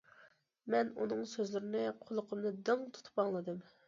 مەن ئۇنىڭ سۆزلىرىنى قۇلىقىمنى دىڭ تۇتۇپ ئاڭلىدىم.